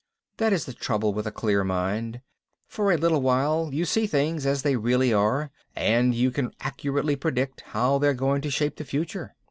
That is the trouble with a clear mind. For a little while you see things as they really are and you can accurately predict how they're going to shape the future